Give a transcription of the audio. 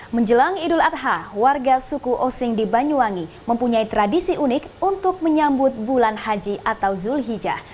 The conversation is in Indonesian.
menjelang idul adha warga suku osing di banyuwangi mempunyai tradisi unik untuk menyambut bulan haji atau zulhijjah